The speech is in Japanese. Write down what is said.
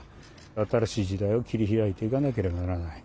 新しい時代を切り開いていかなければならない。